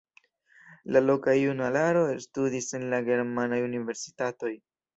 La loka junularo studis en la germanaj universitatoj.